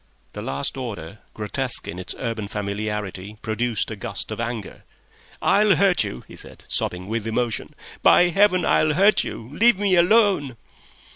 The last order, grotesque in its urban familiarity, produced a gust of anger. "I'll hurt you," he said, sobbing with emotion. "By Heaven, I'll hurt you! Leave me alone!"